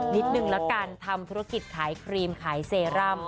นิดนึงละกันทำธุรกิจขายครีมขายเซรั่ม